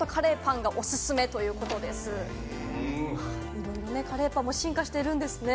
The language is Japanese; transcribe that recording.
いろいろカレーパンも進化してるんですね。